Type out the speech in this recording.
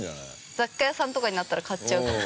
雑貨屋さんとかにあったら買っちゃうかも。